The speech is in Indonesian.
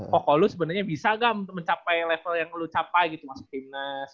koko lo sebenernya bisa ga mencapai level yang lo capai gitu masuk gimnas